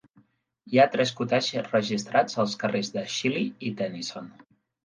Hi ha tres cottage registrats als carrers Shelley i Tennyson.